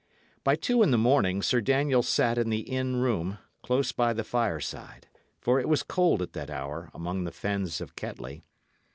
By two in the morning, Sir Daniel sat in the inn room, close by the fireside, for it was cold at that hour among the fens of Kettley.